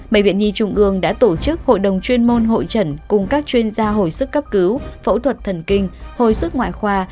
bệnh viện nhi trung ương đã tổ chức hội đồng chuyên môn hội trần cùng các chuyên gia hồi sức cấp cứu phẫu thuật thần kinh hồi sức ngoại khoa